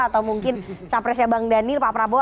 atau mungkin capresnya bang daniel pak prabowo